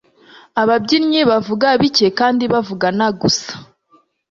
ababyinnyi bavugaga bike kandi bavugana gusa